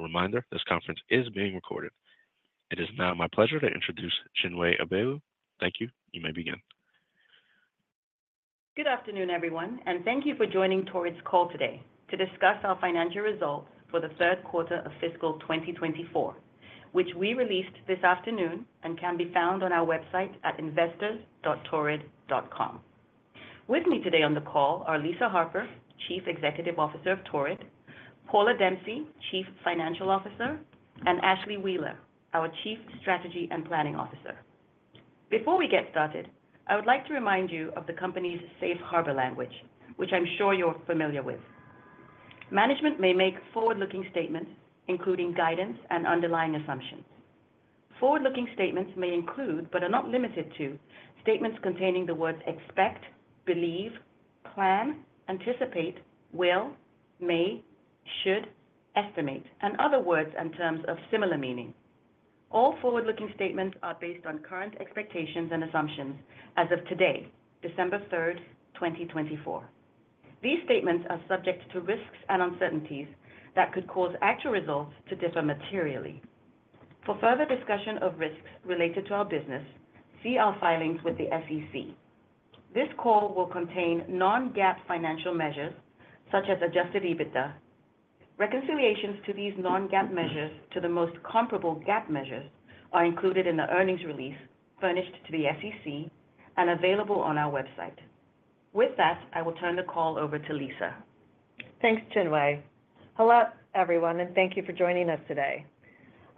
A reminder, this conference is being recorded. It is now my pleasure to introduce Chinwe Abaelu. Thank you. You may begin. Good afternoon, everyone, and thank you for joining Torrid's call today to discuss our financial results for the third quarter of fiscal 2024, which we released this afternoon and can be found on our website at investors.torrid.com. With me today on the call are Lisa Harper, Chief Executive Officer of Torrid, Paula Dempsey, Chief Financial Officer, and Ashlee Wheeler, our Chief Strategy and Planning Officer. Before we get started, I would like to remind you of the company's safe harbor language, which I'm sure you're familiar with. Management may make forward-looking statements, including guidance and underlying assumptions. Forward-looking statements may include, but are not limited to, statements containing the words expect, believe, plan, anticipate, will, may, should, estimate, and other words and terms of similar meaning. All forward-looking statements are based on current expectations and assumptions as of today, December 3rd, 2024. These statements are subject to risks and uncertainties that could cause actual results to differ materially. For further discussion of risks related to our business, see our filings with the SEC. This call will contain non-GAAP financial measures such as adjusted EBITDA. Reconciliations to these non-GAAP measures to the most comparable GAAP measures are included in the earnings release furnished to the SEC and available on our website. With that, I will turn the call over to Lisa. Thanks, Chinwe. Hello, everyone, and thank you for joining us today.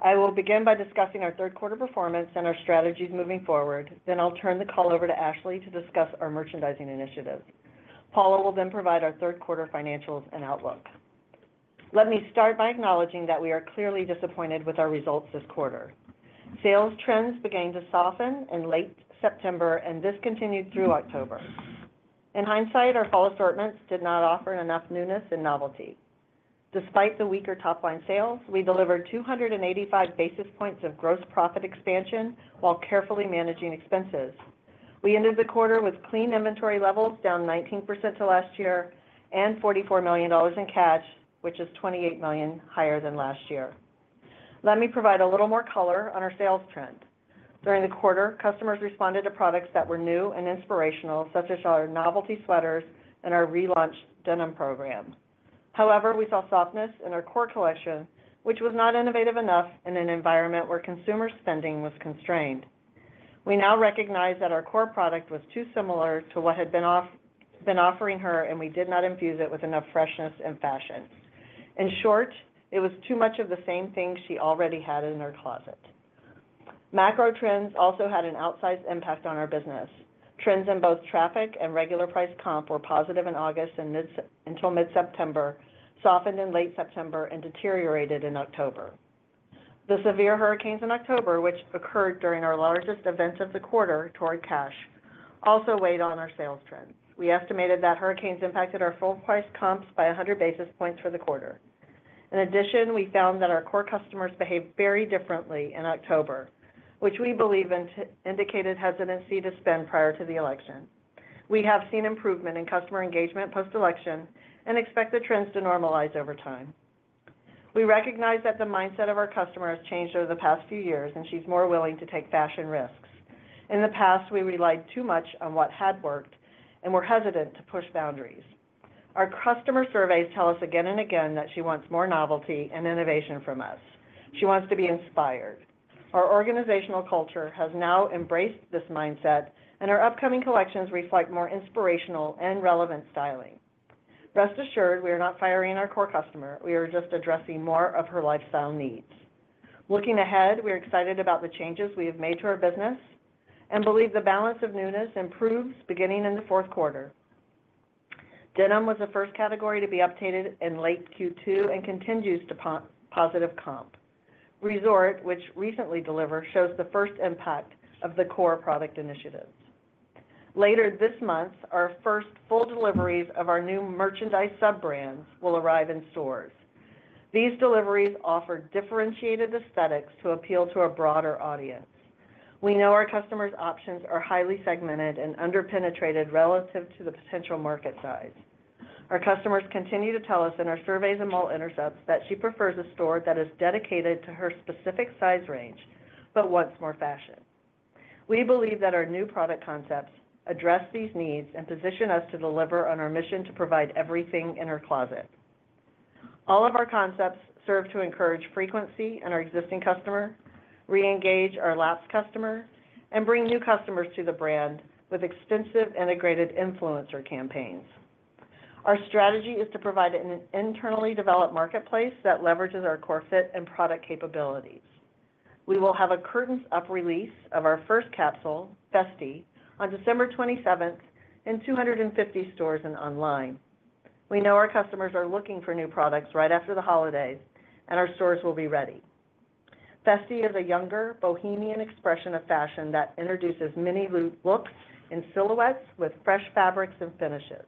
I will begin by discussing our third-quarter performance and our strategies moving forward. Then I'll turn the call over to Ashlee to discuss our merchandising initiative. Paula will then provide our third-quarter financials and outlook. Let me start by acknowledging that we are clearly disappointed with our results this quarter. Sales trends began to soften in late September, and this continued through October. In hindsight, our fall assortments did not offer enough newness and novelty. Despite the weaker top-line sales, we delivered 285 basis points of gross profit expansion while carefully managing expenses. We ended the quarter with clean inventory levels down 19% to last year and $44 million in cash, which is $28 million higher than last year. Let me provide a little more color on our sales trend. During the quarter, customers responded to products that were new and inspirational, such as our novelty sweaters and our relaunched denim program. However, we saw softness in our core collection, which was not innovative enough in an environment where consumer spending was constrained. We now recognize that our core product was too similar to what we'd been offering her, and we did not infuse it with enough freshness and fashion. In short, it was too much of the same thing she already had in her closet. Macro trends also had an outsized impact on our business. Trends in both traffic and regular price comp were positive in August and until mid-September, softened in late September, and deteriorated in October. The severe hurricanes in October, which occurred during our largest event of the quarter, Torrid Cash, also weighed on our sales trends. We estimated that hurricanes impacted our full price comps by 100 basis points for the quarter. In addition, we found that our core customers behaved very differently in October, which we believe indicated hesitancy to spend prior to the election. We have seen improvement in customer engagement post-election and expect the trends to normalize over time. We recognize that the mindset of our customers changed over the past few years, and she's more willing to take fashion risks. In the past, we relied too much on what had worked and were hesitant to push boundaries. Our customer surveys tell us again and again that she wants more novelty and innovation from us. She wants to be inspired. Our organizational culture has now embraced this mindset, and our upcoming collections reflect more inspirational and relevant styling. Rest assured, we are not firing our core customer. We are just addressing more of her lifestyle needs. Looking ahead, we're excited about the changes we have made to our business and believe the balance of newness improves beginning in the fourth quarter. Denim was the first category to be updated in late Q2 and continues to positive comp. Resort, which recently delivered, shows the first impact of the core product initiatives. Later this month, our first full deliveries of our new merchandise sub-brands will arrive in stores. These deliveries offer differentiated aesthetics to appeal to a broader audience. We know our customers' options are highly segmented and under-penetrated relative to the potential market size. Our customers continue to tell us in our surveys and mall intercepts that she prefers a store that is dedicated to her specific size range but wants more fashion. We believe that our new product concepts address these needs and position us to deliver on our mission to provide everything in her closet. All of our concepts serve to encourage frequency in our existing customer, re-engage our last customer, and bring new customers to the brand with extensive integrated influencer campaigns. Our strategy is to provide an internally developed marketplace that leverages our core fit and product capabilities. We will have a curtains-up release of our first capsule, Festi, on December 27th in 250 stores and online. We know our customers are looking for new products right after the holidays, and our stores will be ready. Festi is a younger bohemian expression of fashion that introduces mini looks and silhouettes with fresh fabrics and finishes.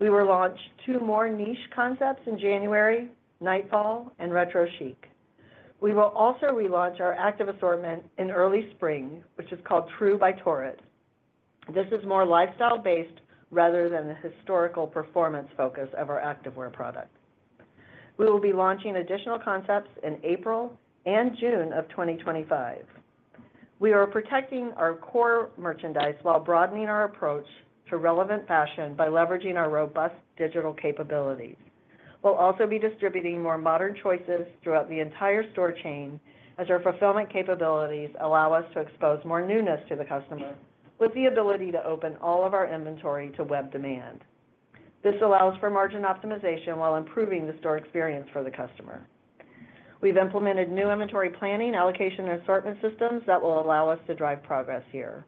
We will launch two more niche concepts in January, Nightfall and Retro Chic. We will also relaunch our active assortment in early spring, which is called Tru by Torrid. This is more lifestyle-based rather than the historical performance focus of our activewear product. We will be launching additional concepts in April and June of 2025. We are protecting our core merchandise while broadening our approach to relevant fashion by leveraging our robust digital capabilities. We'll also be distributing more modern choices throughout the entire store chain as our fulfillment capabilities allow us to expose more newness to the customer with the ability to open all of our inventory to web demand. This allows for margin optimization while improving the store experience for the customer. We've implemented new inventory planning, allocation, and assortment systems that will allow us to drive progress here.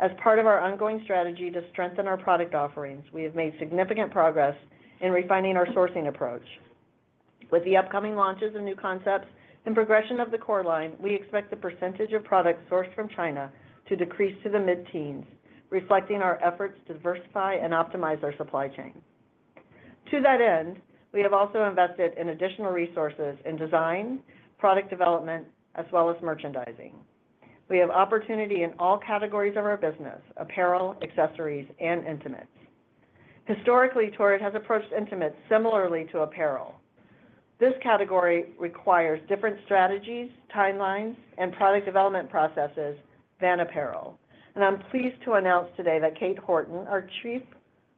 As part of our ongoing strategy to strengthen our product offerings, we have made significant progress in refining our sourcing approach. With the upcoming launches of new concepts and progression of the core line, we expect the percentage of products sourced from China to decrease to the mid-teens, reflecting our efforts to diversify and optimize our supply chain. To that end, we have also invested in additional resources in design, product development, as well as merchandising. We have opportunity in all categories of our business: apparel, accessories, and intimates. Historically, Torrid has approached intimates similarly to apparel. This category requires different strategies, timelines, and product development processes than apparel. I'm pleased to announce today that Kate Horton,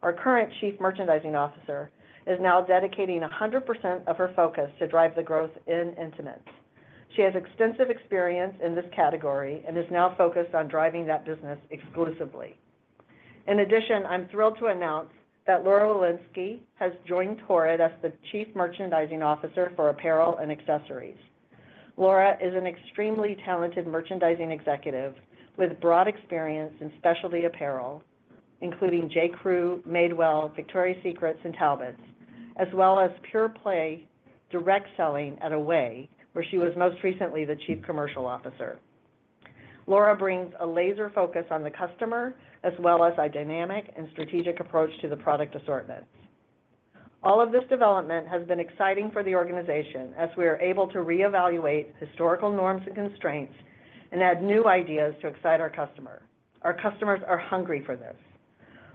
our current Chief Merchandising Officer, is now dedicating 100% of her focus to drive the growth in intimates. She has extensive experience in this category and is now focused on driving that business exclusively. In addition, I'm thrilled to announce that Laura Willensky has joined Torrid as the Chief Merchandising Officer for apparel and accessories. Laura is an extremely talented merchandising executive with broad experience in specialty apparel, including J.Crew, Madewell, Victoria's Secret, and Talbots, as well as pure-play direct selling at Away, where she was most recently the Chief Commercial Officer. Laura brings a laser focus on the customer as well as a dynamic and strategic approach to the product assortments. All of this development has been exciting for the organization as we are able to reevaluate historical norms and constraints and add new ideas to excite our customer. Our customers are hungry for this.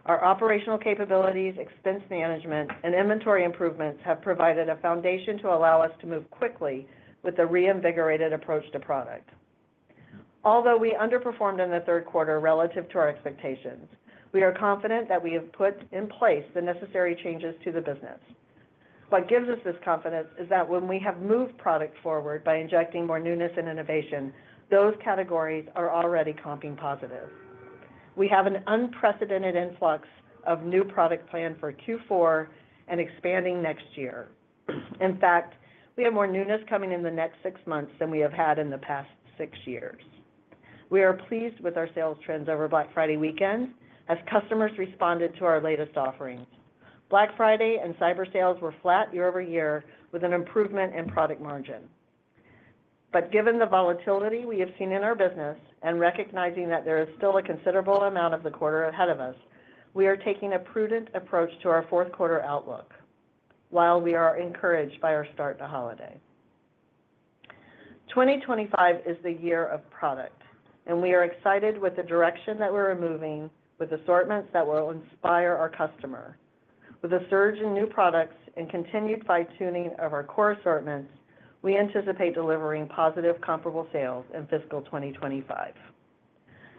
Our operational capabilities, expense management, and inventory improvements have provided a foundation to allow us to move quickly with a reinvigorated approach to product. Although we underperformed in the third quarter relative to our expectations, we are confident that we have put in place the necessary changes to the business. What gives us this confidence is that when we have moved product forward by injecting more newness and innovation, those categories are already comping positive. We have an unprecedented influx of new products planned for Q4 and expanding next year. In fact, we have more newness coming in the next six months than we have had in the past six years. We are pleased with our sales trends over Black Friday weekend as customers responded to our latest offerings. Black Friday and Cyber sales were flat year-over-year with an improvement in product margin. But given the volatility we have seen in our business and recognizing that there is still a considerable amount of the quarter ahead of us, we are taking a prudent approach to our fourth quarter outlook while we are encouraged by our start to holiday. 2025 is the year of product, and we are excited with the direction that we're moving with assortments that will inspire our customer. With a surge in new products and continued fine-tuning of our core assortments, we anticipate delivering positive, comparable sales in fiscal 2025.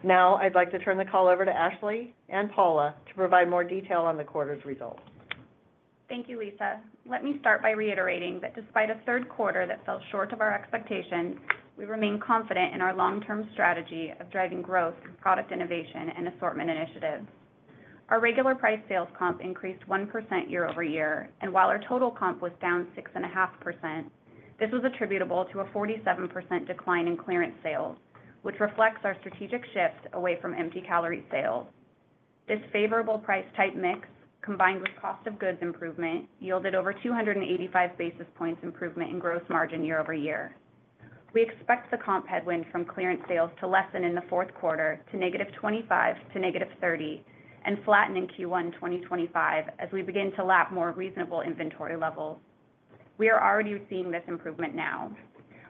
Now, I'd like to turn the call over to Ashlee and Paula to provide more detail on the quarter's results. Thank you, Lisa. Let me start by reiterating that despite a third quarter that fell short of our expectations, we remain confident in our long-term strategy of driving growth, product innovation, and assortment initiatives. Our regular price sales comp increased 1% year-over-year, and while our total comp was down 6.5%, this was attributable to a 47% decline in clearance sales, which reflects our strategic shift away from empty calorie sales. This favorable price-type mix, combined with cost of goods improvement, yielded over 285 basis points improvement in gross margin year-over-year. We expect the comp headwind from clearance sales to lessen in the fourth quarter to -25% to -30% and flatten in Q1 2025 as we begin to lap more reasonable inventory levels. We are already seeing this improvement now.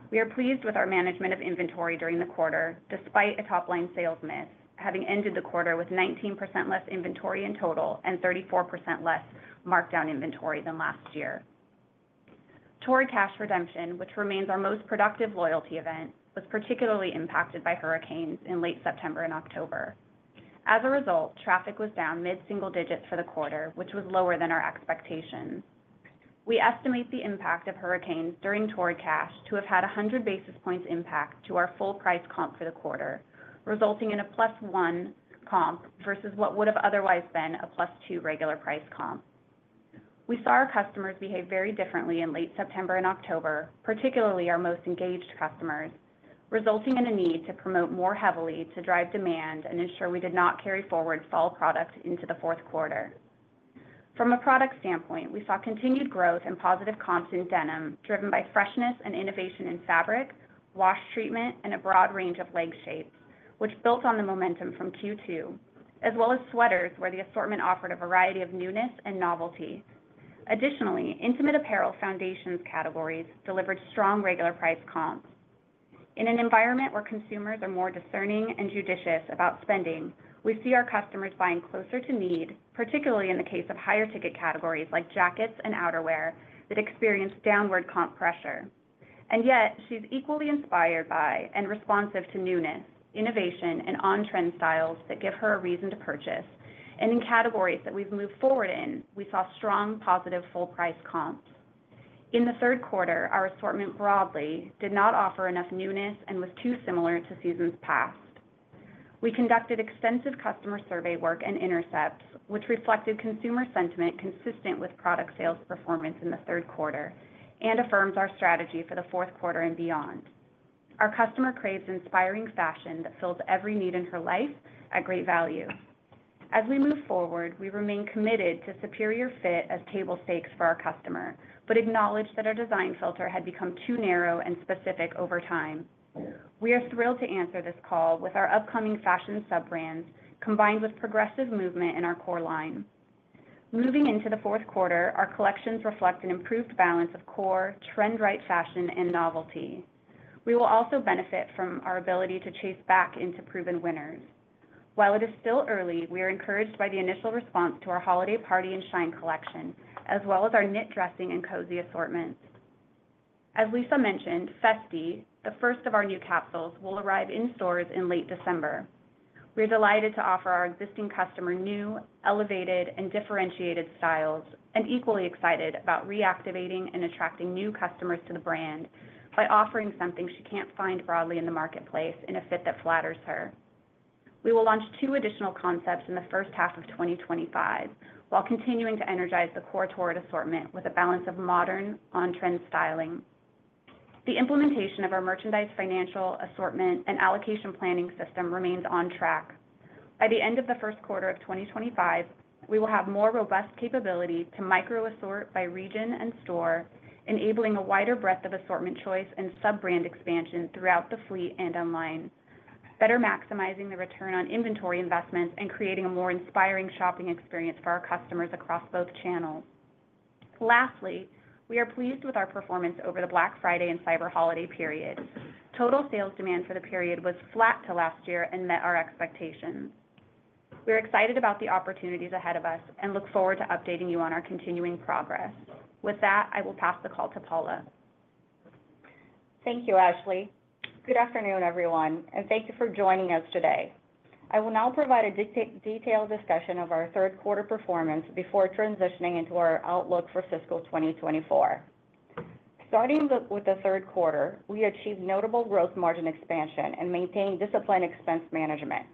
We are pleased with our management of inventory during the quarter despite a top-line sales miss, having ended the quarter with 19% less inventory in total and 34% less markdown inventory than last year. Torrid Cash Redemption, which remains our most productive loyalty event, was particularly impacted by hurricanes in late September and October. As a result, traffic was down mid-single digits for the quarter, which was lower than our expectations. We estimate the impact of hurricanes during Torrid Cash to have had 100 basis points impact to our full price comp for the quarter, resulting in a plus one comp versus what would have otherwise been a plus two regular price comp. We saw our customers behave very differently in late September and October, particularly our most engaged customers, resulting in a need to promote more heavily to drive demand and ensure we did not carry forward fall product into the fourth quarter. From a product standpoint, we saw continued growth and positive comps in denim driven by freshness and innovation in fabric, wash treatment, and a broad range of leg shapes, which built on the momentum from Q2, as well as sweaters where the assortment offered a variety of newness and novelty. Additionally, intimate apparel foundations categories delivered strong regular price comps. In an environment where consumers are more discerning and judicious about spending, we see our customers buying closer to need, particularly in the case of higher ticket categories like jackets and outerwear that experience downward comp pressure. And yet, she's equally inspired by and responsive to newness, innovation, and on-trend styles that give her a reason to purchase. And in categories that we've moved forward in, we saw strong positive full-price comps. In the third quarter, our assortment broadly did not offer enough newness and was too similar to seasons past. We conducted extensive customer survey work and intercepts, which reflected consumer sentiment consistent with product sales performance in the third quarter and affirms our strategy for the fourth quarter and beyond. Our customer craves inspiring fashion that fills every need in her life at great value. As we move forward, we remain committed to superior fit as table stakes for our customer but acknowledge that our design filter had become too narrow and specific over time. We are thrilled to answer this call with our upcoming fashion sub-brands combined with progressive movement in our core line. Moving into the fourth quarter, our collections reflect an improved balance of core, trend-right fashion, and novelty. We will also benefit from our ability to chase back into proven winners. While it is still early, we are encouraged by the initial response to our holiday party and shine collection, as well as our knit dressing and cozy assortments. As Lisa mentioned, Festi, the first of our new capsules, will arrive in stores in late December. We are delighted to offer our existing customer new, elevated, and differentiated styles and equally excited about reactivating and attracting new customers to the brand by offering something she can't find broadly in the marketplace in a fit that flatters her. We will launch two additional concepts in the first half of 2025 while continuing to energize the core Torrid assortment with a balance of modern on-trend styling. The implementation of our merchandise financial assortment and allocation planning system remains on track. By the end of the first quarter of 2025, we will have more robust capability to micro-assort by region and store, enabling a wider breadth of assortment choice and sub-brand expansion throughout the fleet and online, better maximizing the return on inventory investments and creating a more inspiring shopping experience for our customers across both channels. Lastly, we are pleased with our performance over the Black Friday and Cyber holiday period. Total sales demand for the period was flat to last year and met our expectations. We are excited about the opportunities ahead of us and look forward to updating you on our continuing progress. With that, I will pass the call to Paula. Thank you, Ashlee. Good afternoon, everyone, and thank you for joining us today. I will now provide a detailed discussion of our third quarter performance before transitioning into our outlook for fiscal 2024. Starting with the third quarter, we achieved notable gross margin expansion and maintained disciplined expense management.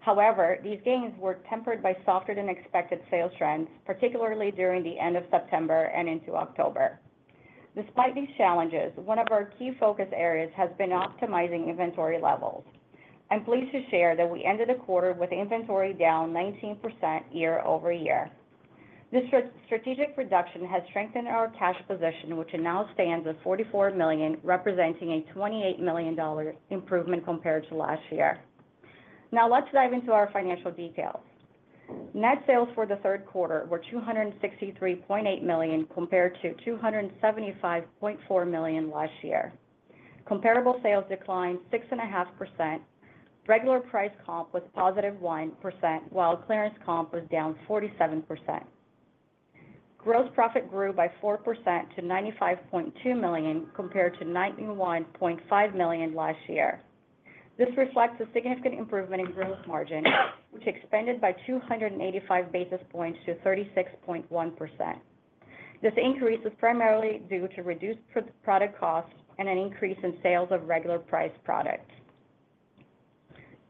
However, these gains were tempered by softer-than-expected sales trends, particularly during the end of September and into October. Despite these challenges, one of our key focus areas has been optimizing inventory levels. I'm pleased to share that we ended the quarter with inventory down 19% year-over-year. This strategic reduction has strengthened our cash position, which now stands at $44 million, representing a $28 million improvement compared to last year. Now, let's dive into our financial details. Net sales for the third quarter were $263.8 million compared to $275.4 million last year. Comparable sales declined 6.5%. Regular price comp was +1%, while clearance comp was down 47%. Gross profit grew by 4% to $95.2 million compared to $91.5 million last year. This reflects a significant improvement in gross margin, which expanded by 285 basis points to 36.1%. This increase is primarily due to reduced product costs and an increase in sales of regular price products.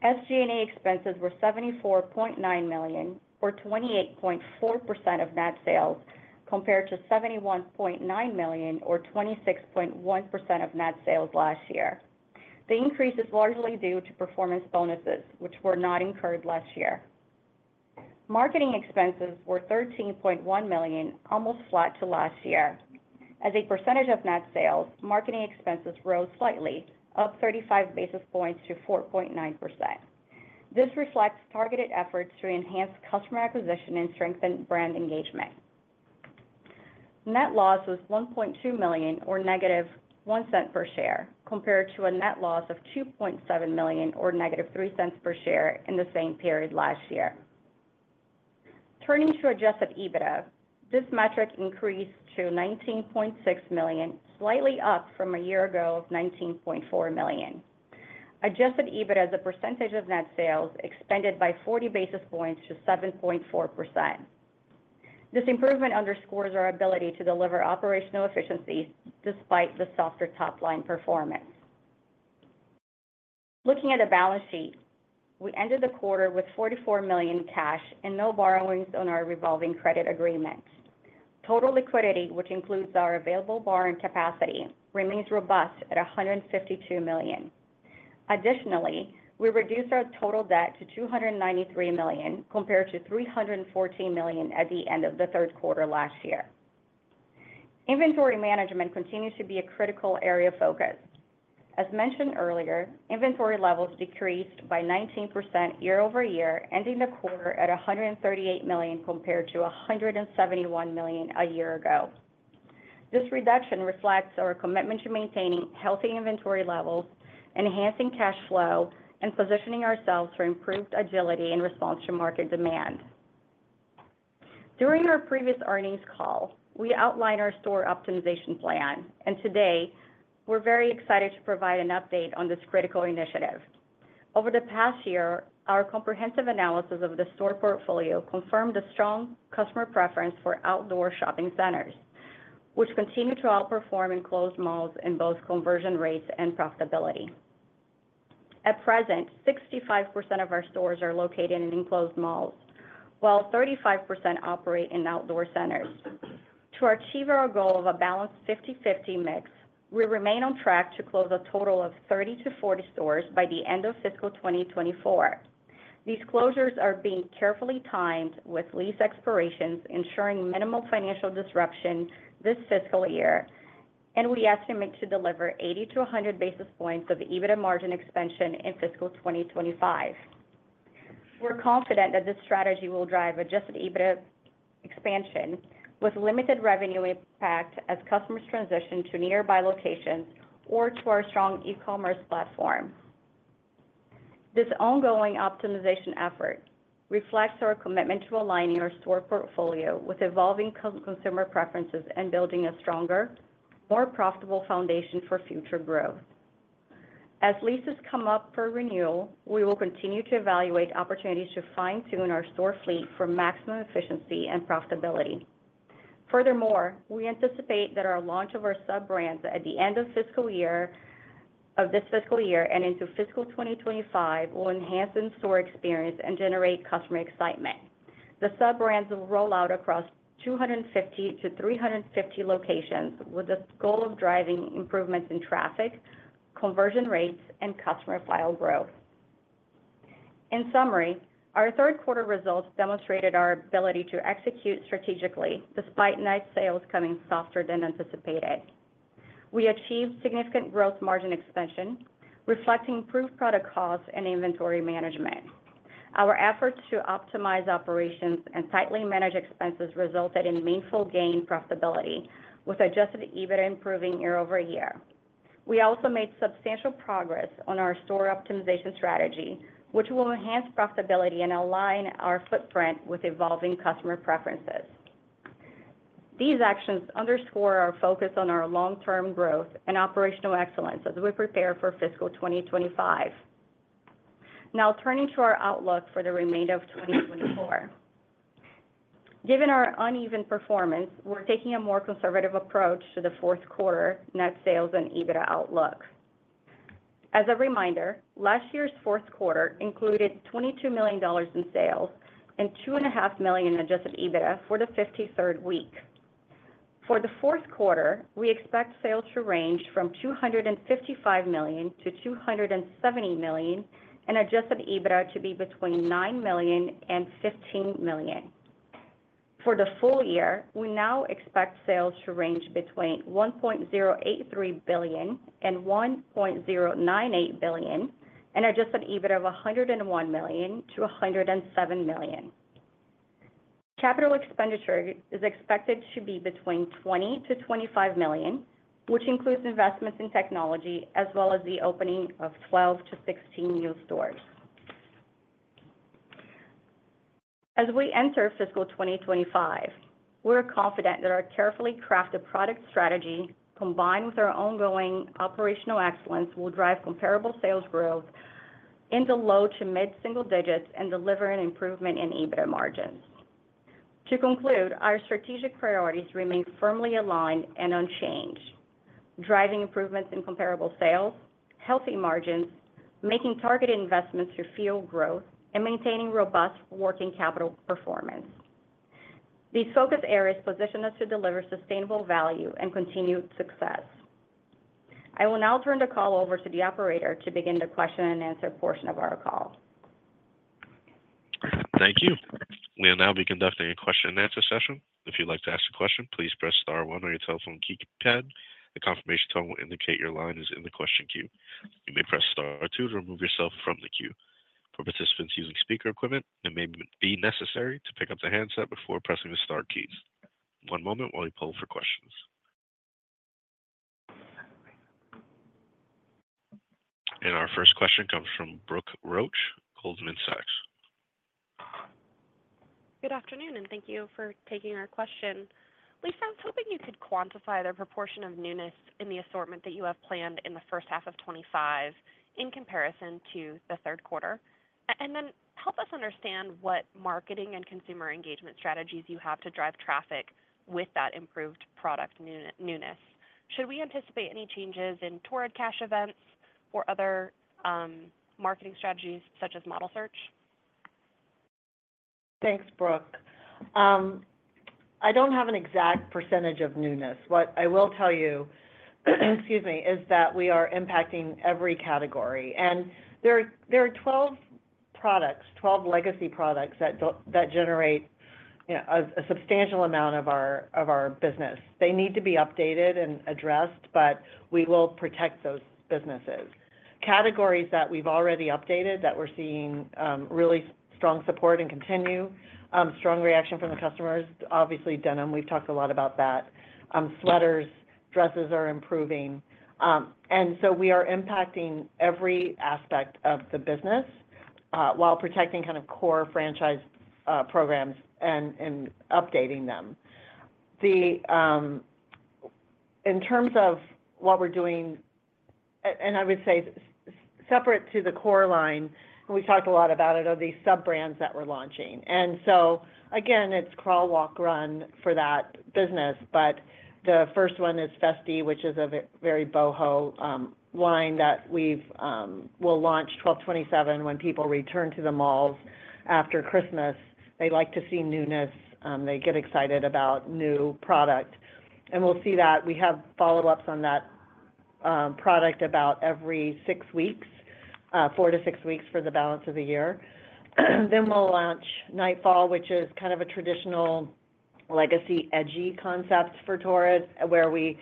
SG&A expenses were $74.9 million, or 28.4% of net sales, compared to $71.9 million, or 26.1% of net sales last year. The increase is largely due to performance bonuses, which were not incurred last year. Marketing expenses were $13.1 million, almost flat to last year. As a percentage of net sales, marketing expenses rose slightly, up 35 basis points to 4.9%. This reflects targeted efforts to enhance customer acquisition and strengthen brand engagement. Net loss was $1.2 million, or -$0.01 per share, compared to a net loss of $2.7 million, or -$0.03 per share in the same period last year. Turning to adjusted EBITDA, this metric increased to $19.6 million, slightly up from a year ago of $19.4 million. Adjusted EBITDA is a percentage of net sales expanded by 40 basis points to 7.4%. This improvement underscores our ability to deliver operational efficiency despite the softer top-line performance. Looking at the balance sheet, we ended the quarter with $44 million cash and no borrowings on our revolving credit agreement. Total liquidity, which includes our available borrowing capacity, remains robust at $152 million. Additionally, we reduced our total debt to $293 million compared to $314 million at the end of the third quarter last year. Inventory management continues to be a critical area of focus. As mentioned earlier, inventory levels decreased by 19% year-over-year, ending the quarter at $138 million compared to $171 million a year ago. This reduction reflects our commitment to maintaining healthy inventory levels, enhancing cash flow, and positioning ourselves for improved agility in response to market demand. During our previous earnings call, we outlined our store optimization plan, and today, we're very excited to provide an update on this critical initiative. Over the past year, our comprehensive analysis of the store portfolio confirmed a strong customer preference for outdoor shopping centers, which continue to outperform enclosed malls in both conversion rates and profitability. At present, 65% of our stores are located in enclosed malls, while 35% operate in outdoor centers. To achieve our goal of a balanced 50/50 mix, we remain on track to close a total of 30-40 stores by the end of fiscal 2024. These closures are being carefully timed with lease expirations ensuring minimal financial disruption this fiscal year, and we estimate to deliver 80 to 100 basis points of EBITDA margin expansion in fiscal 2025. We're confident that this strategy will drive adjusted EBITDA expansion with limited revenue impact as customers transition to nearby locations or to our strong e-commerce platform. This ongoing optimization effort reflects our commitment to aligning our store portfolio with evolving consumer preferences and building a stronger, more profitable foundation for future growth. As leases come up for renewal, we will continue to evaluate opportunities to fine-tune our store fleet for maximum efficiency and profitability. Furthermore, we anticipate that our launch of our sub-brands at the end of this fiscal year and into fiscal 2025 will enhance in-store experience and generate customer excitement. The sub-brands will roll out across 250-350 locations with the goal of driving improvements in traffic, conversion rates, and customer file growth. In summary, our third quarter results demonstrated our ability to execute strategically despite net sales coming softer than anticipated. We achieved significant growth margin expansion, reflecting improved product costs and inventory management. Our efforts to optimize operations and tightly manage expenses resulted in meaningful gain in profitability with adjusted EBITDA improving year-over-year. We also made substantial progress on our store optimization strategy, which will enhance profitability and align our footprint with evolving customer preferences. These actions underscore our focus on our long-term growth and operational excellence as we prepare for fiscal 2025. Now, turning to our outlook for the remainder of 2024. Given our uneven performance, we're taking a more conservative approach to the fourth quarter net sales and EBITDA outlook. As a reminder, last year's fourth quarter included $22 million in sales and $2.5 million in adjusted EBITDA for the 53rd week. For the fourth quarter, we expect sales to range from $255 million-$270 million and adjusted EBITDA to be between $9 million-$15 million. For the full year, we now expect sales to range between $1.083-$1.098 billion and adjusted EBITDA of $101 million-$107 million. Capital expenditure is expected to be between $20 million-$25 million, which includes investments in technology as well as the opening of 12-16 new stores. As we enter fiscal 2025, we're confident that our carefully crafted product strategy, combined with our ongoing operational excellence, will drive comparable sales growth into low to mid-single digits and deliver an improvement in EBITDA margins. To conclude, our strategic priorities remain firmly aligned and unchanged, driving improvements in comparable sales, healthy margins, making targeted investments to fuel growth, and maintaining robust working capital performance. These focus areas position us to deliver sustainable value and continued success. I will now turn the call over to the operator to begin the question-and-answer portion of our call. Thank you. We will now be conducting a question-and-answer session. If you'd like to ask a question, please press star one on your telephone keypad. The confirmation tone will indicate your line is in the question queue. You may press star two to remove yourself from the queue. For participants using speaker equipment, it may be necessary to pick up the handset before pressing the star keys. One moment while we pull for questions. And our first question comes from Brooke Roach, Goldman Sachs. Good afternoon and thank you for taking our question. Lisa, I was hoping you could quantify the proportion of newness in the assortment that you have planned in the first half of 2025 in comparison to the third quarter. And then help us understand what marketing and consumer engagement strategies you have to drive traffic with that improved product newness. Should we anticipate any changes in Torrid Cash events or other marketing strategies such as model search? Thanks, Brooke. I don't have an exact percentage of newness. What I will tell you, excuse me, is that we are impacting every category. There are 12 products, 12 legacy products that generate a substantial amount of our business. They need to be updated and addressed, but we will protect those businesses. Categories that we've already updated that we're seeing really strong support and continue, strong reaction from the customers, obviously, denim, we've talked a lot about that. Sweaters, dresses are improving. We are impacting every aspect of the business while protecting kind of core franchise programs and updating them. In terms of what we're doing, and I would say separate to the core line, we talked a lot about it of these sub-brands that we're launching. Again, it's crawl, walk, run for that business. But the first one is Festi, which is a very boho line that we'll launch 12/27 when people return to the malls after Christmas. They like to see newness. They get excited about new product. And we'll see that. We have follow-ups on that product about every six weeks, four to six weeks for the balance of the year. Then we'll launch Nightfall, which is kind of a traditional legacy edgy concept for Torrid, where we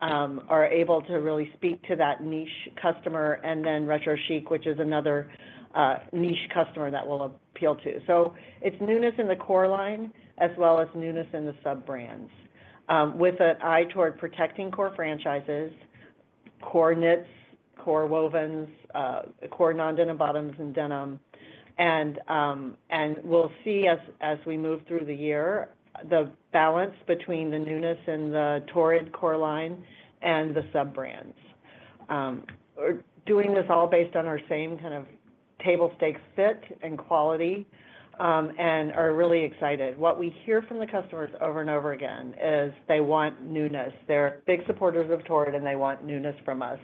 are able to really speak to that niche customer, and then Retro Chic, which is another niche customer that we'll appeal to. So it's newness in the core line as well as newness in the sub-brands, with an eye toward protecting core franchises, core knits, core wovens, core non-denim bottoms, and denim. And we'll see as we move through the year the balance between the newness in the Torrid core line and the sub-brands. We're doing this all based on our same kind of table stakes fit and quality and are really excited. What we hear from the customers over and over again is they want newness. They're big supporters of Torrid, and they want newness from us.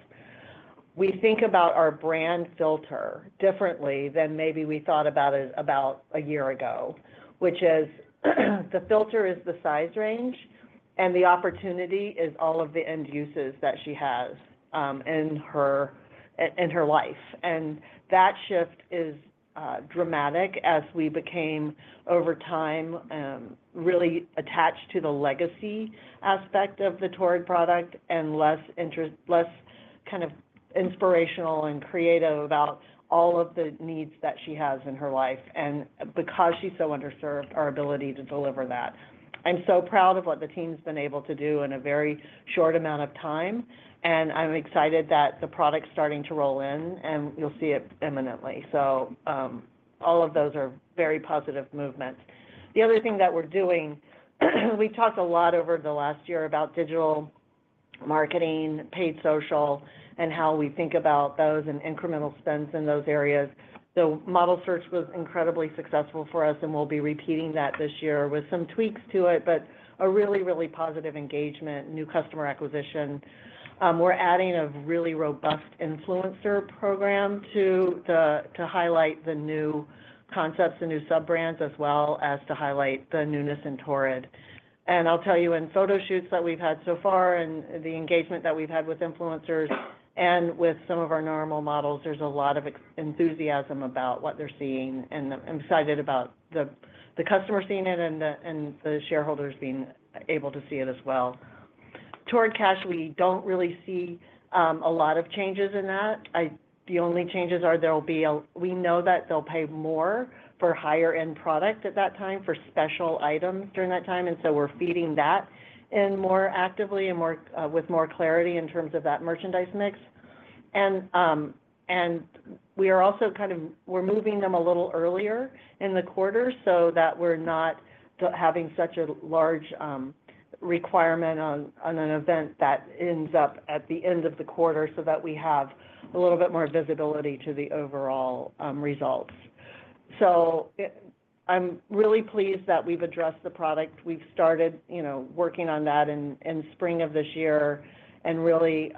We think about our brand filter differently than maybe we thought about it about a year ago, which is the filter is the size range, and the opportunity is all of the end uses that she has in her life. And that shift is dramatic as we became, over time, really attached to the legacy aspect of the Torrid product and less kind of inspirational and creative about all of the needs that she has in her life. And because she's so underserved, our ability to deliver that. I'm so proud of what the team's been able to do in a very short amount of time, and I'm excited that the product's starting to roll in, and you'll see it imminently. So all of those are very positive movements. The other thing that we're doing, we talked a lot over the last year about digital marketing, paid social, and how we think about those and incremental spends in those areas. The model search was incredibly successful for us, and we'll be repeating that this year with some tweaks to it, but a really, really positive engagement, new customer acquisition. We're adding a really robust influencer program to highlight the new concepts and new sub-brands as well as to highlight the newness in Torrid. And I'll tell you, in photo shoots that we've had so far and the engagement that we've had with influencers and with some of our normal models, there's a lot of enthusiasm about what they're seeing. And I'm excited about the customer seeing it and the shareholders being able to see it as well. Torrid Cash, we don't really see a lot of changes in that. The only changes are there will be a we know that they'll pay more for higher-end product at that time for special items during that time. And so we're feeding that in more actively and with more clarity in terms of that merchandise mix. And we are also kind of we're moving them a little earlier in the quarter so that we're not having such a large requirement on an event that ends up at the end of the quarter so that we have a little bit more visibility to the overall results. So I'm really pleased that we've addressed the product. We've started working on that in spring of this year and really,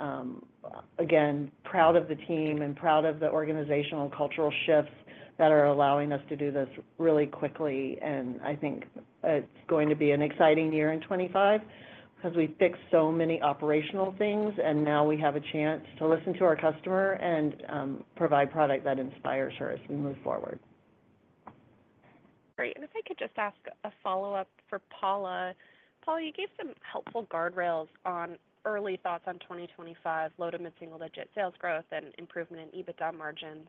again, proud of the team and proud of the organizational cultural shifts that are allowing us to do this really quickly. And I think it's going to be an exciting year in 2025 because we fixed so many operational things, and now we have a chance to listen to our customer and provide product that inspires her as we move forward. Great. And if I could just ask a follow-up for Paula. Paula, you gave some helpful guardrails on early thoughts on 2025, low to mid-single digit sales growth and improvement in EBITDA margins.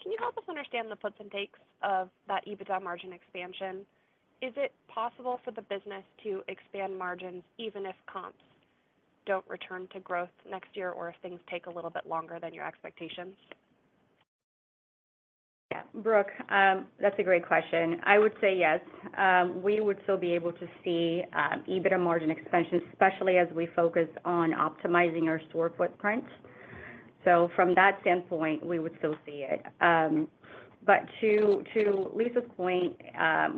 Can you help us understand the puts and takes of that EBITDA margin expansion? Is it possible for the business to expand margins even if comps don't return to growth next year or if things take a little bit longer than your expectations? Yeah. Brooke, that's a great question. I would say yes. We would still be able to see EBITDA margin expansion, especially as we focus on optimizing our store footprint. So from that standpoint, we would still see it. But to Lisa's point,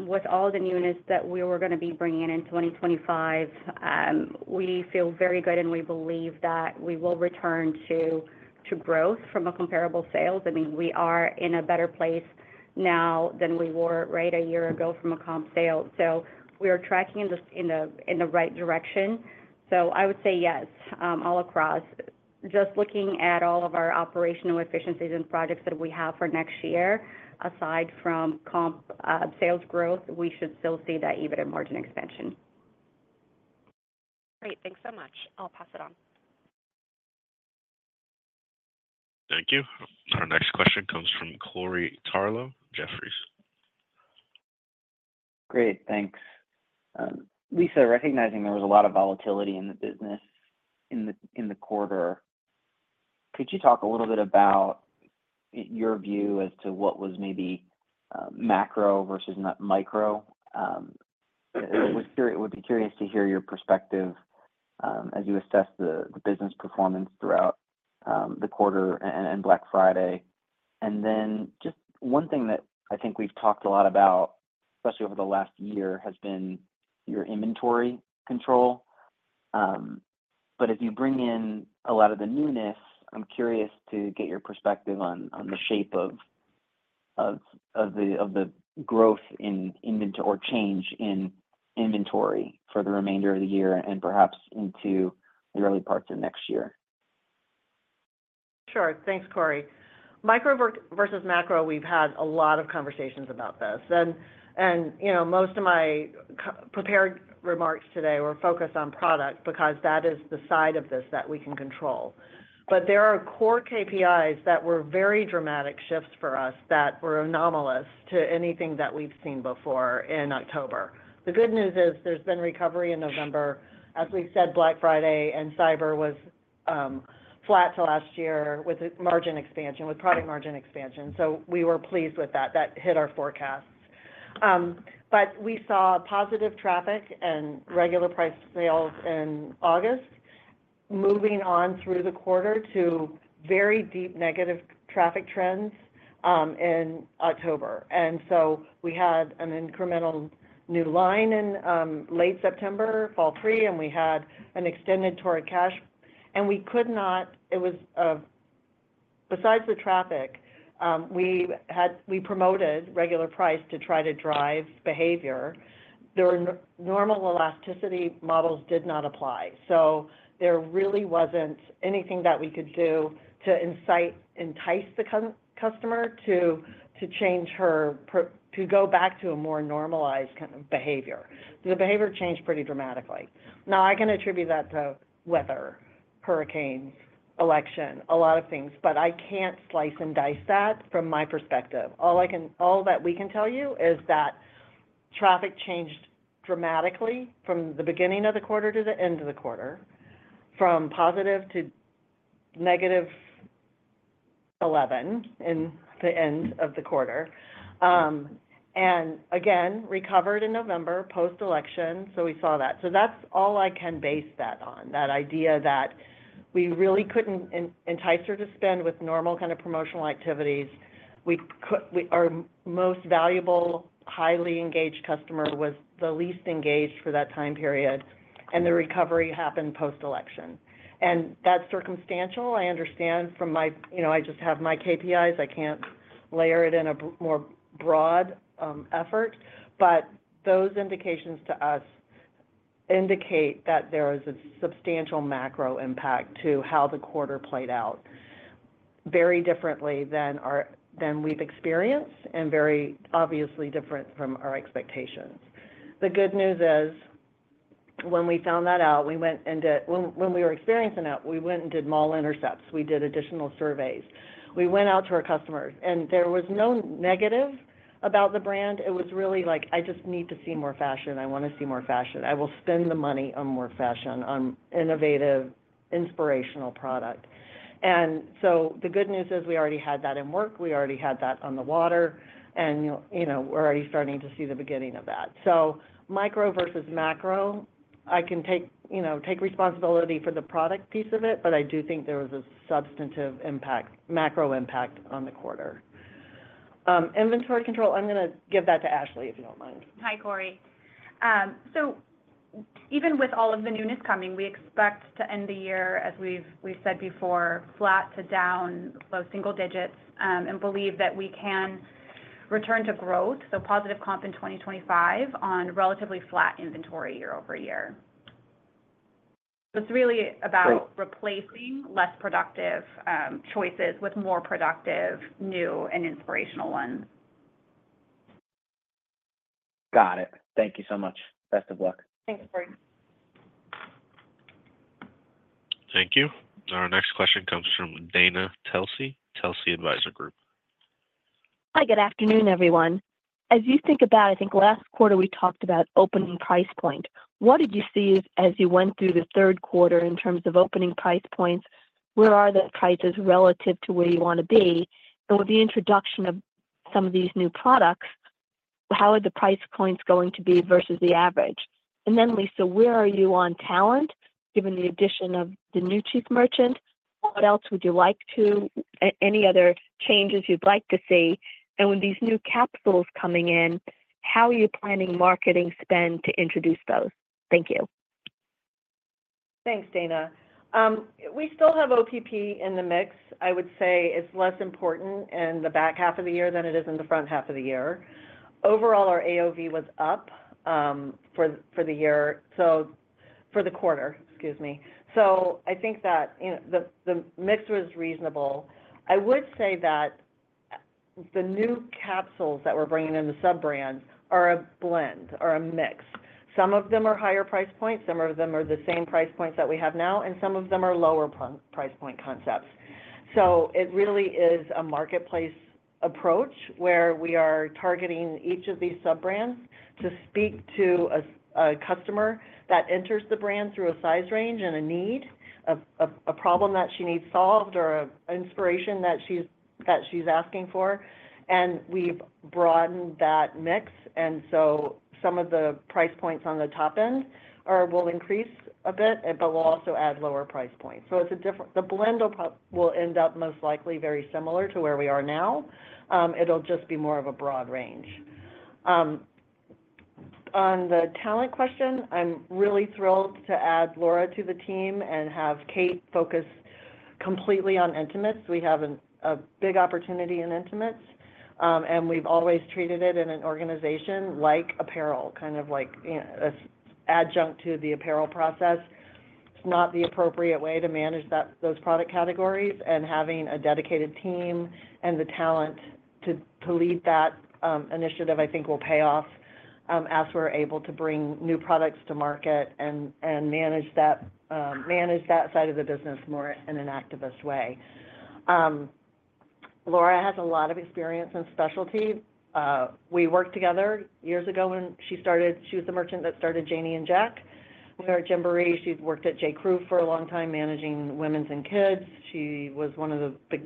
with all the newness that we were going to be bringing in 2025, we feel very good, and we believe that we will return to growth from a comparable sales. I mean, we are in a better place now than we were, right, a year ago from a comp sale. So we are tracking in the right direction. So I would say yes all across. Just looking at all of our operational efficiencies and projects that we have for next year, aside from comp sales growth, we should still see that EBITDA margin expansion. Great. Thanks so much. I'll pass it on. Thank you. Our next question comes from Corey Tarlowe, Jefferies. Great. Thanks. Lisa, recognizing there was a lot of volatility in the business in the quarter, could you talk a little bit about your view as to what was maybe macro versus micro? I would be curious to hear your perspective as you assess the business performance throughout the quarter and Black Friday. And then just one thing that I think we've talked a lot about, especially over the last year, has been your inventory control. But as you bring in a lot of the newness, I'm curious to get your perspective on the shape of the growth or change in inventory for the remainder of the year and perhaps into the early parts of next year. Sure. Thanks, Corey. Micro versus macro, we've had a lot of conversations about this. And most of my prepared remarks today were focused on product because that is the side of this that we can control. But there are core KPIs that were very dramatic shifts for us that were anomalous to anything that we've seen before in October. The good news is there's been recovery in November. As we said, Black Friday and Cyber was flat to last year with margin expansion, with product margin expansion. So we were pleased with that. That hit our forecasts. But we saw positive traffic and regular price sales in August, moving on through the quarter to very deep negative traffic trends in October. And so we had an incremental new line in late September, Fall 3, and we had an extended Torrid Cash. We could not, besides the traffic, we promoted regular price to try to drive behavior. The normal elasticity models did not apply. So there really wasn't anything that we could do to entice the customer to change her to go back to a more normalized kind of behavior. The behavior changed pretty dramatically. Now, I can attribute that to weather, hurricanes, election, a lot of things, but I can't slice and dice that from my perspective. All that we can tell you is that traffic changed dramatically from the beginning of the quarter to the end of the quarter, from positive to -11% in the end of the quarter, and again, recovered in November post-election. So we saw that. So that's all I can base that on, that idea that we really couldn't entice her to spend with normal kind of promotional activities. Our most valuable, highly engaged customer was the least engaged for that time period, and the recovery happened post-election, and that's circumstantial. I understand. I just have my KPIs. I can't layer it in a more broad effort, but those indications to us indicate that there is a substantial macro impact to how the quarter played out, very differently than we've experienced and very obviously different from our expectations. The good news is when we found that out. When we were experiencing it, we went and did mall intercepts. We did additional surveys. We went out to our customers, and there was no negative about the brand. It was really like, "I just need to see more fashion. I want to see more fashion. I will spend the money on more fashion, on innovative, inspirational product." And so the good news is we already had that in work. We already had that on the water, and we're already starting to see the beginning of that. So micro versus macro, I can take responsibility for the product piece of it, but I do think there was a substantive impact, macro impact on the quarter. Inventory control, I'm going to give that to Ashlee, if you don't mind. Hi, Corey. So even with all of the newness coming, we expect to end the year, as we've said before, flat to down, low single digits, and believe that we can return to growth, so positive comp in 2025 on relatively flat inventory year-over-year. So it's really about replacing less productive choices with more productive, new, and inspirational ones. Got it. Thank you so much. Best of luck. Thanks, Corey. Thank you. Our next question comes from Dana Telsey, Telsey Advisory Group. Hi, good afternoon, everyone. As you think about, I think last quarter we talked about opening price point. What did you see as you went through the third quarter in terms of opening price points? Where are the prices relative to where you want to be? And with the introduction of some of these new products, how are the price points going to be versus the average? And then, Lisa, where are you on talent given the addition of the new Chief Merchant? What else would you like to see? Any other changes you'd like to see? And with these new capsules coming in, how are you planning marketing spend to introduce those? Thank you. Thanks, Dana. We still have OPP in the mix. I would say it's less important in the back half of the year than it is in the front half of the year. Overall, our AOV was up for the year, so for the quarter, excuse me, so I think that the mix was reasonable. I would say that the new capsules that we're bringing in the sub-brands are a mix. Some of them are higher price points. Some of them are the same price points that we have now, and some of them are lower price point concepts, so it really is a marketplace approach where we are targeting each of these sub-brands to speak to a customer that enters the brand through a size range and a need, a problem that she needs solved, or an inspiration that she's asking for, and we've broadened that mix. And so some of the price points on the top end will increase a bit, but we'll also add lower price points. So the blend will end up most likely very similar to where we are now. It'll just be more of a broad range. On the talent question, I'm really thrilled to add Laura to the team and have Kate focus completely on intimates. We have a big opportunity in intimates, and we've always treated it in an organization like apparel, kind of like an adjunct to the apparel process. It's not the appropriate way to manage those product categories. And having a dedicated team and the talent to lead that initiative, I think, will pay off as we're able to bring new products to market and manage that side of the business more in an activist way. Laura has a lot of experience and specialty. We worked together years ago when she started. She was the merchant that started Janie and Jack. We are Gymboree. She's worked at J.Crew for a long time managing women's and kids. She was one of the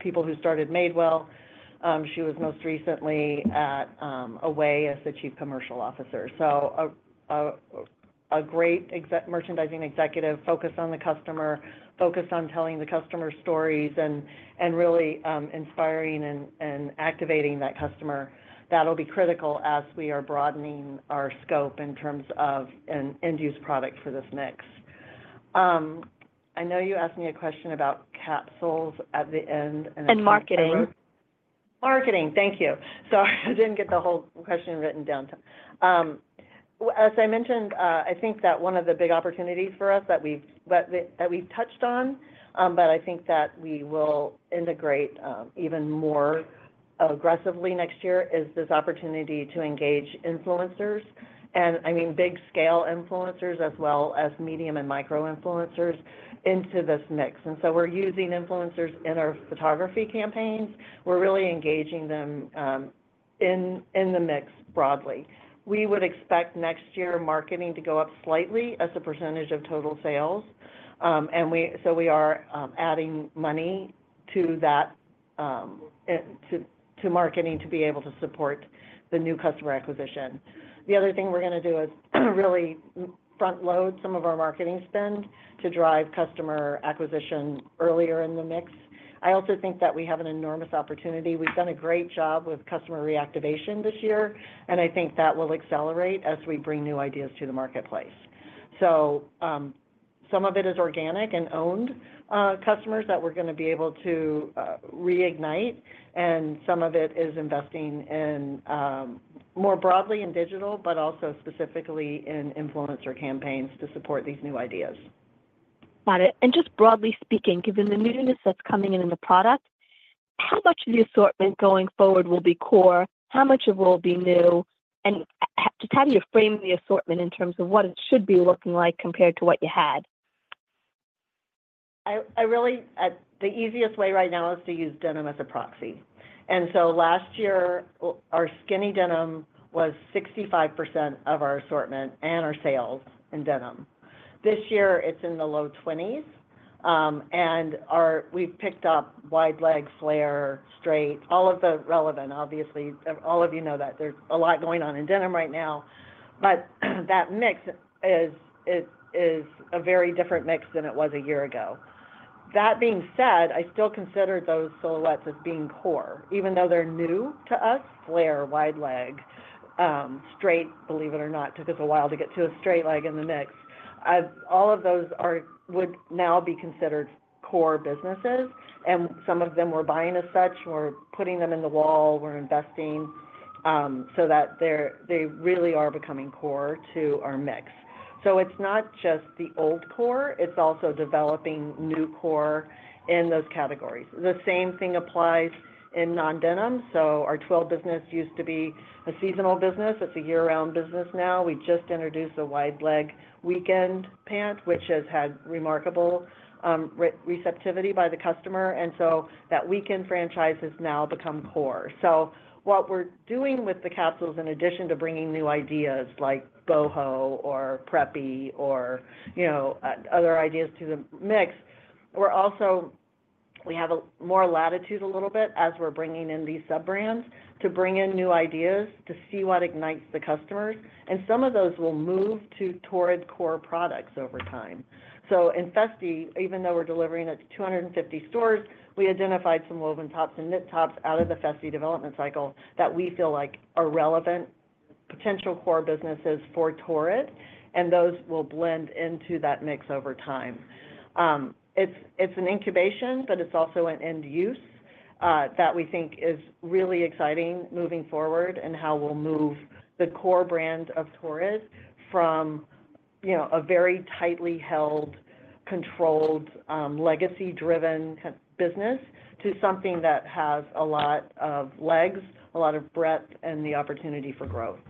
people who started Madewell. She was most recently at Away as the Chief Commercial Officer. So a great merchandising executive focused on the customer, focused on telling the customer stories and really inspiring and activating that customer. That'll be critical as we are broadening our scope in terms of an end-use product for this mix. I know you asked me a question about capsules at the end and. And marketing? Marketing, thank you. Sorry, I didn't get the whole question written down. As I mentioned, I think that one of the big opportunities for us that we've touched on, but I think that we will integrate even more aggressively next year, is this opportunity to engage influencers. And I mean big-scale influencers as well as medium and micro influencers into this mix. And so we're using influencers in our photography campaigns. We're really engaging them in the mix broadly. We would expect next year marketing to go up slightly as a percentage of total sales. And so we are adding money to marketing to be able to support the new customer acquisition. The other thing we're going to do is really front-load some of our marketing spend to drive customer acquisition earlier in the mix. I also think that we have an enormous opportunity. We've done a great job with customer reactivation this year, and I think that will accelerate as we bring new ideas to the marketplace. So some of it is organic and owned customers that we're going to be able to reignite, and some of it is investing more broadly in digital, but also specifically in influencer campaigns to support these new ideas. Got it. And just broadly speaking, given the newness that's coming in the product, how much of the assortment going forward will be core? How much of it will be new? And just how do you frame the assortment in terms of what it should be looking like compared to what you had? The easiest way right now is to use denim as a proxy, and so last year, our skinny denim was 65% of our assortment and our sales in denim. This year, it's in the low 20s, and we've picked up wide-leg, flare, straight, all of the relevant, obviously. All of you know that there's a lot going on in denim right now, but that mix is a very different mix than it was a year ago. That being said, I still consider those silhouettes as being core. Even though they're new to us, flare, wide-leg, straight, believe it or not, took us a while to get to a straight leg in the mix. All of those would now be considered core businesses, and some of them we're buying as such. We're putting them in the wall. We're investing so that they really are becoming core to our mix. It's not just the old core. It's also developing new core in those categories. The same thing applies in non-denim. Our loungewear business used to be a seasonal business. It's a year-round business now. We just introduced a wide-leg weekend pant, which has had remarkable receptivity by the customer. That weekend franchise has now become core. What we're doing with the capsules, in addition to bringing new ideas like Boho or Preppy or other ideas to the mix, we have more latitude a little bit as we're bringing in these sub-brands to bring in new ideas to see what ignites the customers. Some of those will move to Torrid core products over time. So in Festi, even though we're delivering it to 250 stores, we identified some woven tops and knit tops out of the Festi development cycle that we feel like are relevant potential core businesses for Torrid. And those will blend into that mix over time. It's an incubation, but it's also an end-use that we think is really exciting moving forward and how we'll move the core brand of Torrid from a very tightly held, controlled, legacy-driven business to something that has a lot of legs, a lot of breadth, and the opportunity for growth.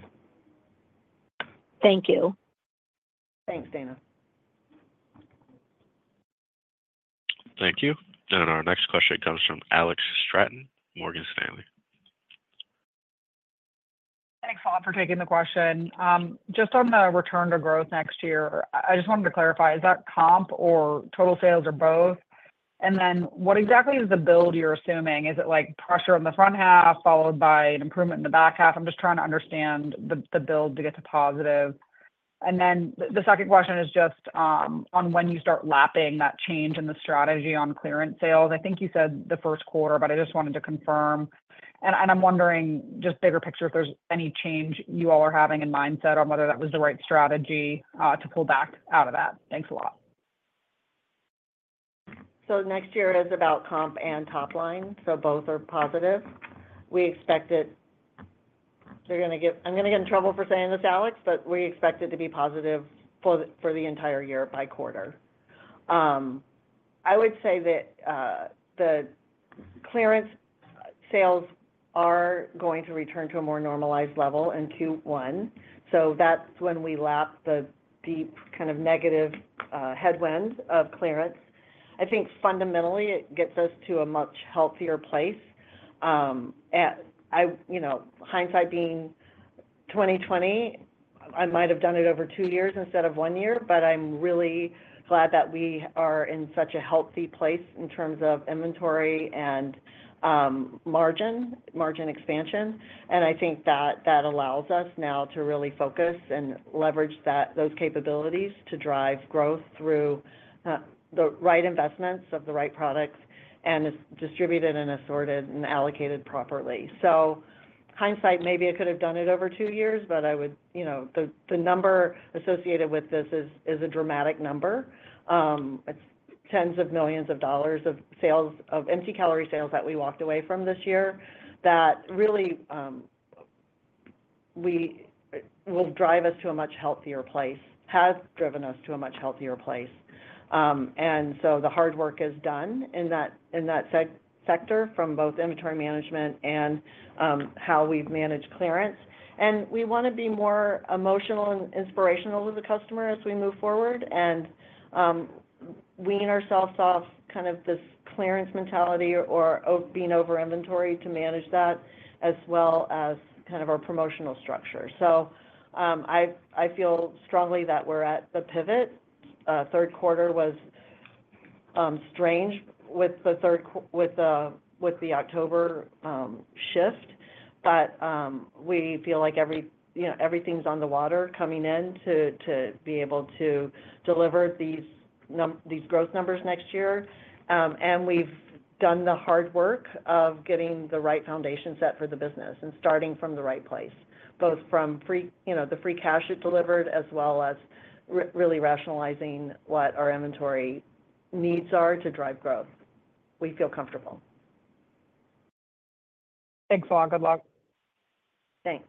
Thank you. Thanks, Dana. Thank you. And our next question comes from Alex Straton, Morgan Stanley. Thanks, all, for taking the question. Just on the return to growth next year, I just wanted to clarify. Is that comp or total sales or both? And then what exactly is the build you're assuming? Is it pressure on the front half followed by an improvement in the back half? I'm just trying to understand the build to get to positive. And then the second question is just on when you start lapping that change in the strategy on clearance sales. I think you said the first quarter, but I just wanted to confirm. And I'm wondering, just bigger picture, if there's any change you all are having in mindset on whether that was the right strategy to pull back out of that. Thanks a lot. So next year is about comp and top line. So both are positive. We expect that they're going to get, I'm going to get in trouble for saying this, Alex, but we expect it to be positive for the entire year by quarter. I would say that the clearance sales are going to return to a more normalized level in Q1. So that's when we lap the deep kind of negative headwinds of clearance. I think fundamentally, it gets us to a much healthier place. Hindsight being 2020, I might have done it over two years instead of one year, but I'm really glad that we are in such a healthy place in terms of inventory and margin expansion. I think that allows us now to really focus and leverage those capabilities to drive growth through the right investments of the right products and distributed and assorted and allocated properly. In hindsight, maybe I could have done it over two years, but I would. The number associated with this is a dramatic number. It's tens of millions of dollars of empty calorie sales that we walked away from this year that really will drive us to a much healthier place, has driven us to a much healthier place. The hard work is done in that sector from both inventory management and how we've managed clearance. We want to be more emotional and inspirational to the customer as we move forward and wean ourselves off kind of this clearance mentality or being over inventory to manage that as well as kind of our promotional structure. I feel strongly that we're at the pivot. Third quarter was strange with the October shift, but we feel like everything's on the water coming in to be able to deliver these growth numbers next year. We've done the hard work of getting the right foundation set for the business and starting from the right place, both from the free cash it delivered as well as really rationalizing what our inventory needs are to drive growth. We feel comfortable. Thanks, all. Good luck. Thanks.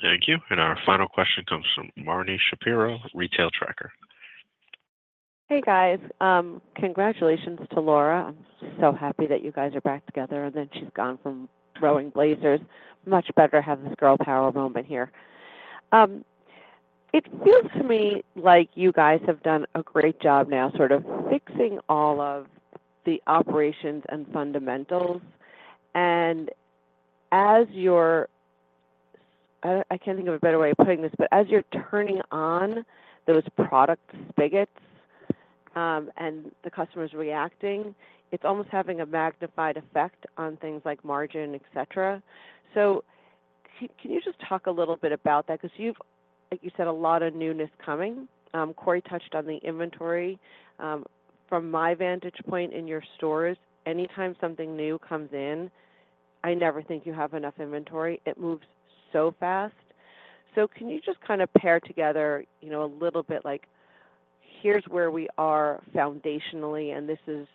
Thank you. And our final question comes from Marni Shapiro, Retail Tracker. Hey, guys. Congratulations to Laura. I'm so happy that you guys are back together, and then she's gone from Rowing Blazers. Much better to have this girl power moment here. It feels to me like you guys have done a great job now sort of fixing all of the operations and fundamentals, and I can't think of a better way of putting this, but as you're turning on those product spigots and the customer's reacting, it's almost having a magnified effect on things like margin, etc. So can you just talk a little bit about that? Because you've, like you said, a lot of newness coming. Corey touched on the inventory. From my vantage point in your stores, anytime something new comes in, I never think you have enough inventory. It moves so fast. So can you just kind of pair together a little bit like, "Here's where we are foundationally, and this is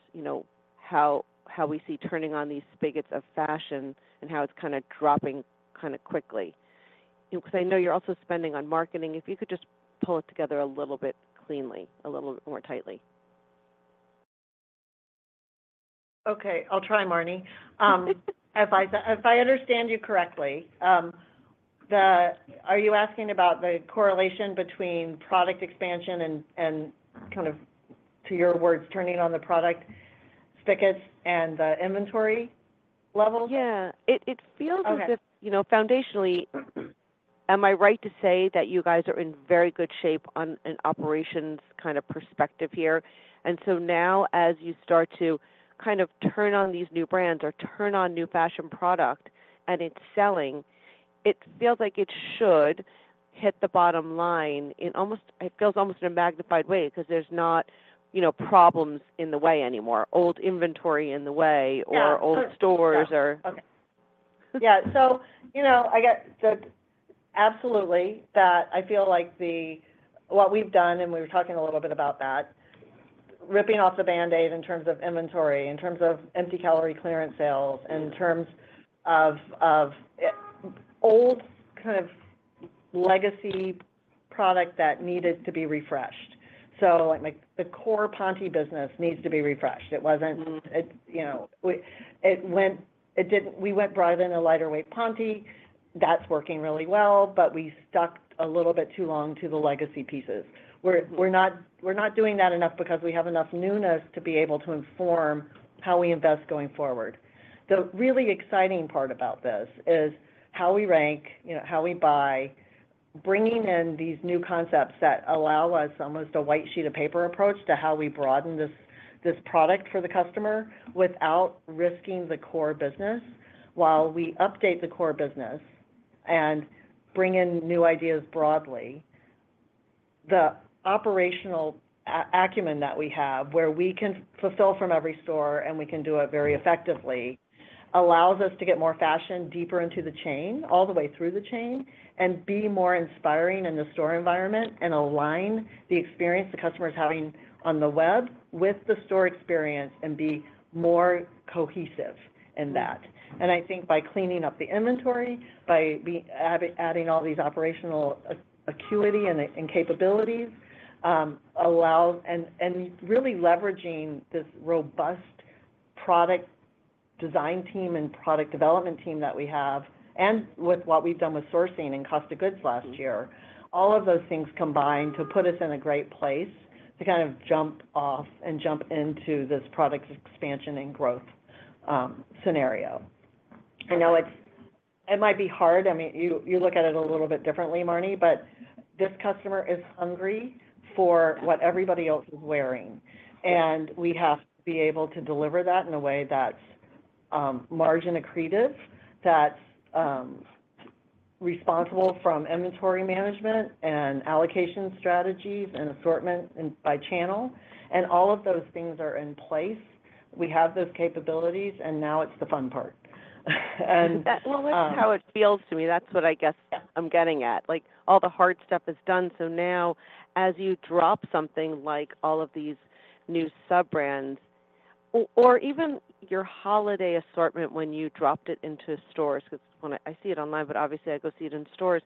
how we see turning on these spigots of fashion and how it's kind of dropping kind of quickly"? Because I know you're also spending on marketing. If you could just pull it together a little bit cleanly, a little bit more tightly. Okay. I'll try, Marni. If I understand you correctly, are you asking about the correlation between product expansion and kind of, to your words, turning on the product spigots and the inventory levels? Yeah. It feels as if foundationally, am I right to say that you guys are in very good shape on an operations kind of perspective here? And so now, as you start to kind of turn on these new brands or turn on new fashion product and it's selling, it feels like it should hit the bottom line. It feels almost in a magnified way because there's not problems in the way anymore. Old inventory in the way or old stores or. Yeah. So I get that absolutely that I feel like what we've done, and we were talking a little bit about that, ripping off the Band-Aid in terms of inventory, in terms of empty calorie clearance sales, in terms of old kind of legacy product that needed to be refreshed. So the core ponte business needs to be refreshed. It wasn't. We went broad in a lighter weight ponte. That's working really well, but we stuck a little bit too long to the legacy pieces. We're not doing that enough because we have enough newness to be able to inform how we invest going forward. The really exciting part about this is how we rank, how we buy, bringing in these new concepts that allow us almost a blank sheet of paper approach to how we broaden this product for the customer without risking the core business. While we update the core business and bring in new ideas broadly, the operational acumen that we have, where we can fulfill from every store and we can do it very effectively, allows us to get more fashion deeper into the chain, all the way through the chain, and be more inspiring in the store environment and align the experience the customer is having on the web with the store experience and be more cohesive in that, and I think by cleaning up the inventory, by adding all these operational acumen and capabilities, and really leveraging this robust product design team and product development team that we have, and with what we've done with sourcing and cost of goods last year, all of those things combined to put us in a great place to kind of jump off and jump into this product expansion and growth scenario. I know it might be hard. I mean, you look at it a little bit differently, Marni, but this customer is hungry for what everybody else is wearing. And we have to be able to deliver that in a way that's margin accretive, that's responsible from inventory management and allocation strategies and assortment by channel. And all of those things are in place. We have those capabilities, and now it's the fun part. And. That's how it feels to me. That's what I guess I'm getting at. All the hard stuff is done. So now, as you drop something like all of these new sub-brands or even your holiday assortment when you dropped it into stores because I see it online, but obviously, I go see it in stores,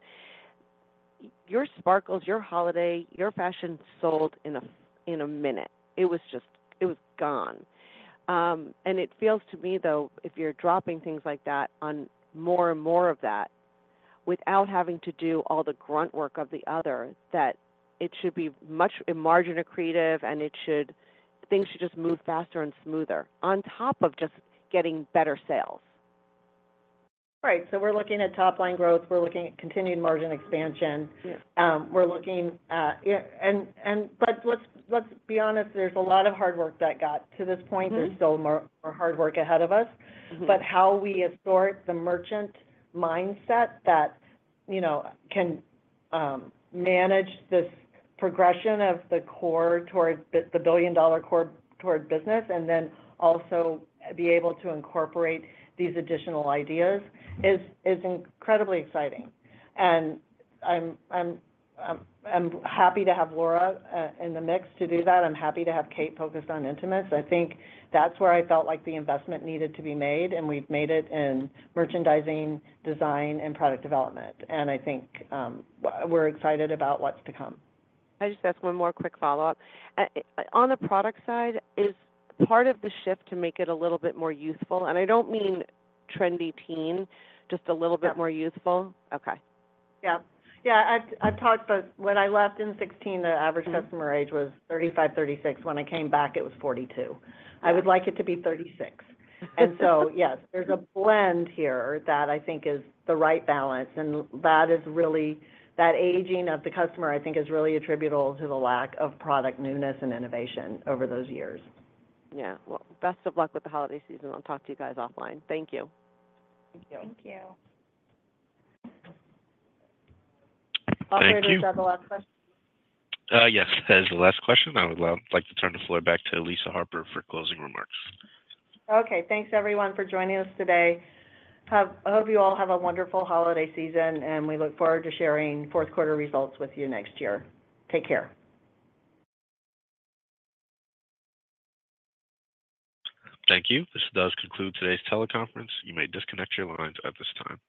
your sparkles, your holiday, your fashion sold in a minute. It was just gone. It feels to me, though, if you're dropping things like that on more and more of that without having to do all the grunt work of the other, that it should be much more margin accretive, and things should just move faster and smoother on top of just getting better sales. Right. So we're looking at top-line growth. We're looking at continued margin expansion. We're looking at, and let's be honest, there's a lot of hard work that got to this point. There's still more hard work ahead of us. But how we assort the merchant mindset that can manage this progression of the billion-dollar core business and then also be able to incorporate these additional ideas is incredibly exciting. And I'm happy to have Laura in the mix to do that. I'm happy to have Kate focus on intimates. I think that's where I felt like the investment needed to be made, and we've made it in merchandising, design, and product development. And I think we're excited about what's to come. I just have one more quick follow-up. On the product side, is part of the shift to make it a little bit more youthful?, and I don't mean trendy teen, just a little bit more youthful. Okay. Yeah. Yeah. When I left in 2016, the average customer age was 35, 36. When I came back, it was 42. I would like it to be 36. And so, yes, there's a blend here that I think is the right balance. And that aging of the customer, I think, is really attributable to the lack of product newness and innovation over those years. Yeah. Well, best of luck with the holiday season. I'll talk to you guys offline. Thank you. Thank you. Thank you. Are there any other last questions? Yes. As the last question, I would like to turn the floor back to Lisa Harper for closing remarks. Okay. Thanks, everyone, for joining us today. I hope you all have a wonderful holiday season, and we look forward to sharing fourth-quarter results with you next year. Take care. Thank you. This does conclude today's teleconference. You may disconnect your lines at this time.